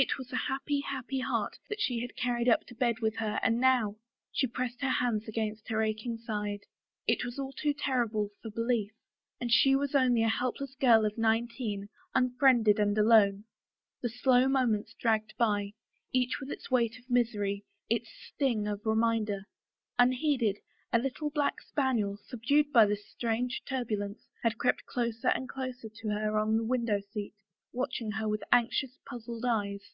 It was a happy, happy heart that she had carried up to bed with her and now — she pressed her hands against her aching side. It was all too horrible for belief. And she was only a helpless girl of nineteen, unfriended and alone. The slow moments dragged by, each with its weight of misery, its sting of reminder. Unheeded, a little black spaniel, subdued by this strange turbulence, had crept closer and closer to her on the window seat, watching her with anxious, puzzled eyes.